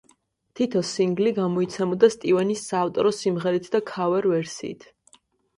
თითო სინგლი გამოიცემოდა სტივენის საავტორო სიმღერით და ქავერ ვერსიით.